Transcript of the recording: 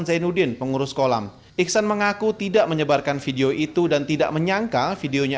zainuddin pengurus kolam iksan mengaku tidak menyebarkan video itu dan tidak menyangka videonya